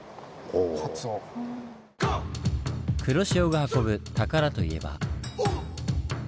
黒潮が運ぶ宝といえば。